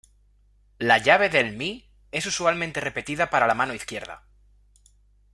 La llave del "mi" es usualmente repetida para la mano izquierda.